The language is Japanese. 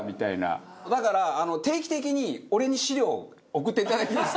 だから定期的に俺に資料を送っていただけないですか？